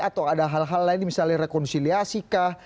atau ada hal hal lain misalnya rekonsiliasi kah